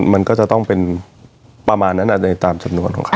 มันก็จะต้องเป็นประมาณนั้นในตามจำนวนของเขา